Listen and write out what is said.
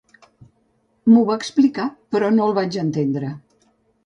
M'ho va explicar, però no el vaig entendre.